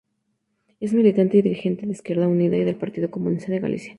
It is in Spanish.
Es militante y dirigente de Esquerda Unida y del Partido Comunista de Galicia.